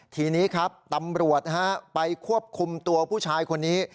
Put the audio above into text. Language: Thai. ทีนี้ครับตำรวจไปควบคุมตัวผู้ชายคนนี้